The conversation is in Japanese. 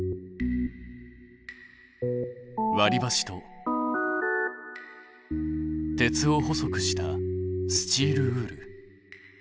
割りばしと鉄を細くしたスチールウール。